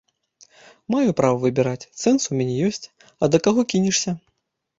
Маю права выбіраць, цэнз у мяне ёсць, а да каго кінешся?